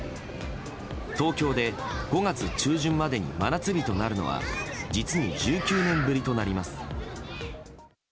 東京で５月中旬までに真夏日となるのは実に１９年ぶりとなります。